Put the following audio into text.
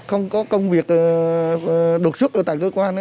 không có công việc đột xuất ở tại cơ quan